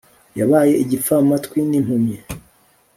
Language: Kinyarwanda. Yabaye igipfamatwi nimpumyi